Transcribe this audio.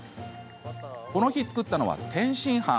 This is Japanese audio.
この日作ったのは天津飯。